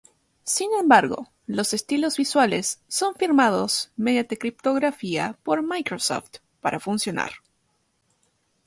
Sin embargo, los estilos visuales son firmados mediante criptografía por Microsoft para funcionar.